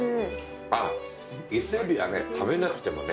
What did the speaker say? あっ、伊勢海老はね、食べなくてもね。